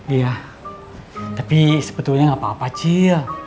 iya tapi sebetulnya nggak apa apa cil